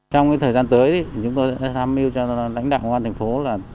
trong thời gian tới chúng tôi đã tham mưu cho lãnh đạo công an thành phố